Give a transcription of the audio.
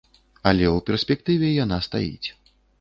Але ў перспектыве яна стаіць.